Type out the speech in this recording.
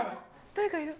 誰かいる。